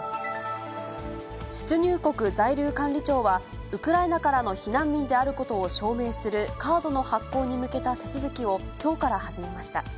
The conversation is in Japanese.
出入国在留管理庁は、ウクライナからの避難民であることを証明するカードの発行に向けた手続きをきょうから始めました。